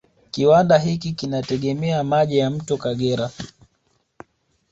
Kiwanda hiki kinategemea maji ya mto Kagera